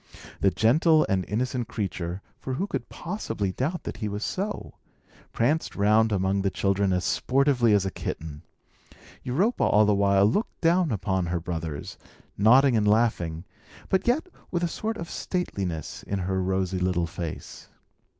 The gentle and innocent creature (for who could possibly doubt that he was so?) pranced round among the children as sportively as a kitten. Europa all the while looked down upon her brothers, nodding and laughing, but yet with a sort of stateliness in her rosy little face.